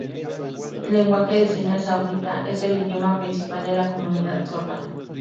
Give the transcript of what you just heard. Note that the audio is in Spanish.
Lenguaje de Señas Saudita es el idioma principal de la comunidad sorda.